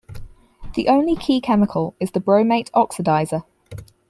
The only key chemical is the bromate oxidizer.